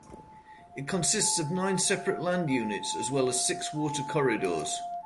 It consists of nine separate land units as well as six water corridors.